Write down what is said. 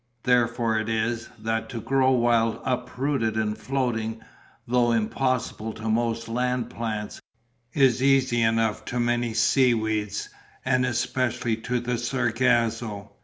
Therefore it is, that to grow while uprooted and floating, though impossible to most land plants, is easy enough to many sea weeds, and especially to the sargasso.